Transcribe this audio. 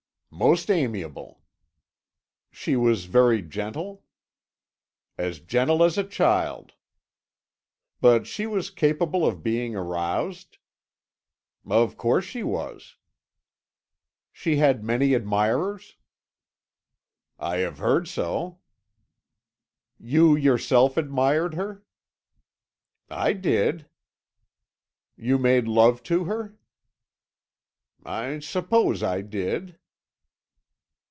"Most amiable." "She was very gentle?" "As gentle as a child." "But she was capable of being aroused?" "Of course she was." "She had many admirers?" "I have heard so." "You yourself admired her?" "I did." "You made love to her?" "I suppose I did."